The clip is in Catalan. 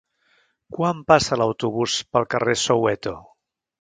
Quan passa l'autobús pel carrer Soweto?